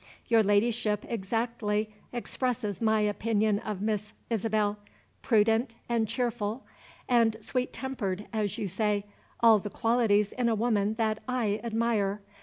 "Your Ladyship exactly expresses my opinion of Miss Isabel. Prudent, and cheerful, and sweet tempered, as you say all the qualities in a woman that I admire.